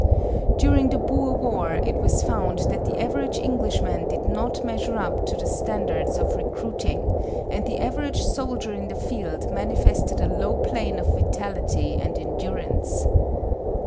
During the Boer War it was found that the average Englishman did not measure up to the standards of recruiting and the average soldier in the field manifested a low plane of vitality and endurance.